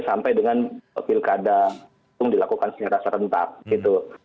sampai dengan pilkada itu dilakukan secara serentak gitu